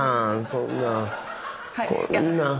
そんなんこんなん。